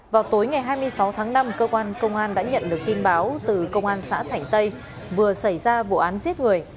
vào tối ngày hai mươi sáu tháng năm cơ quan công an đã nhận được tin báo từ công an xã thảnh tây vừa xảy ra vụ án giết người